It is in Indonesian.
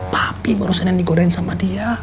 papi barusan yang digodain sama dia